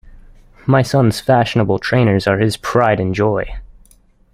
My son's fashionable trainers are his pride and joy